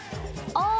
ああ！